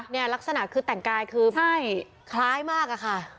ลักษณะคือแต่งกายคือใช่คล้ายมากอะค่ะ